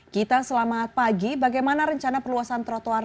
gita selamat pagi bagaimana rencana perluasan trotoar